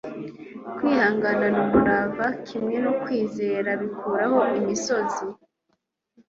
kwihangana n'umurava, kimwe no kwizera, bikuraho imisozi. - william penn